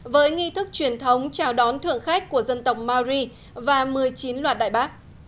với nghi thức truyền thống chào đón thượng khách của dân tộc mari và một mươi chín loạt đại bác